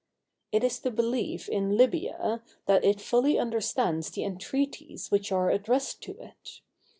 It is the belief in Libya, that it fully understands the entreaties which are addressed to it.